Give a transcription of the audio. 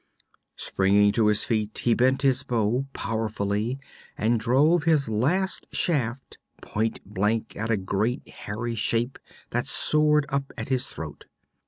Springing to his feet, he bent his bow powerfully and drove his last shaft point blank at a great hairy shape that soared up at his throat.